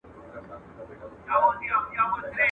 o خوگاڼى چي پاچا سو، اول ئې د خپلي مور سر ور وخرايه.